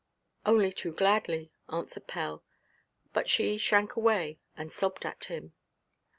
"Only too gladly," answered Pell; but she shrank away, and sobbed at him.